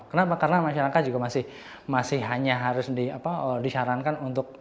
kenapa karena masyarakat juga masih hanya harus disarankan untuk